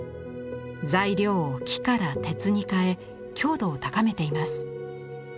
材料を木から鉄に変え強度を高めています。